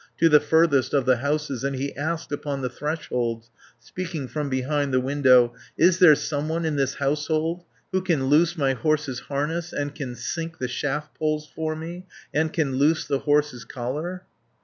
To the furthest of the houses, And he asked upon the thresholds Speaking from behind the window: 320 "Is there some one in this household Who can loose my horse's harness, And can sink the shaft poles for me, And can loose the horse's collar?"